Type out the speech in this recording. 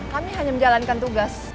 kami hanya menjalankan tugas